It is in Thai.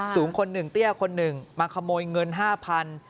สูงคน๑เตี้ยคน๑มาขโมยเงิน๕๐๐๐บาท